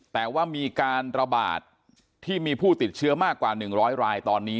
แต่ว่ามีการระบาดที่มีผู้ติดเชื้อมากกว่า๑๐๐รายตอนนี้